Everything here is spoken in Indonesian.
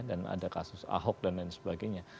dan ada kasus ahok dan lain sebagainya